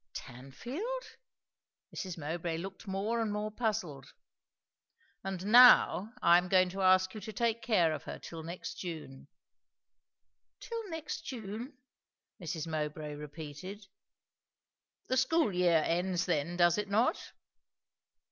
"Tanfield!" Mrs. Mowbray looked more and more puzzled. "And now, I am going to ask you to take care of her, till next June." "Till next June " Mrs. Mowbray repeated. "The school year ends then, does it not?"